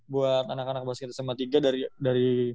buat anak anak basket sma tiga dari